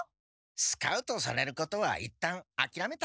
スカウトされることはいったんあきらめた。